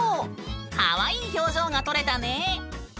かわいい表情が撮れたね！